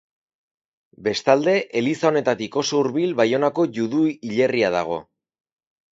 Bestalde, eliza honetatik oso hurbil Baionako judu hilerria dago.